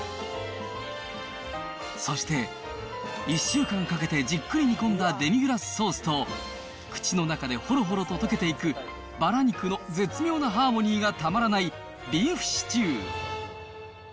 そして、１週間かけてじっくり煮込んだデミグラスソースと、口の中でほろほろととけていく、バラ肉の絶妙なハーモニーがたまらないビーフシチュー。